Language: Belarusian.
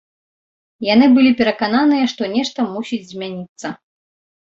Яны былі перакананыя, што нешта мусіць змяніцца.